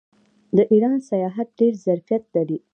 د ایران سیاحت ډیر ظرفیت لري.